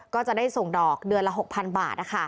ก็จะได้ส่งดอกเดือนละ๖๐๐๐บาท